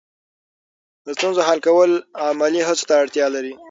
د ستونزو حل کول عملي هڅو ته اړتیا لري.